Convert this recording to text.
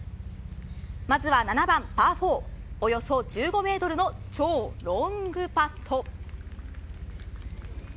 まずは７番パー４およそ１５メートルの超ロングパット。